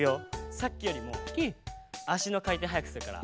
さっきよりもあしのかいてんはやくするから。